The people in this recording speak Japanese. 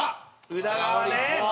宇田川ね！